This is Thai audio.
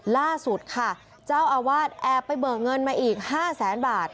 ล่าสุดค่ะเจ้าอาวาสแอบไปเบิกเงินมาอีก๕แสนบาท